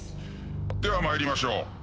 では参りましょう。